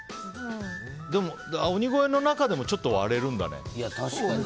でも、鬼越の中でもちょっと割れるんだね。